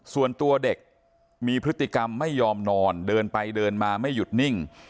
ส่วนตัวเด็กมีพฤติกรรมไม่ยอมนอนเดินไปเดินมาไม่หยุดนิ่ง